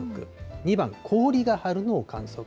２番、氷が張るのを観測。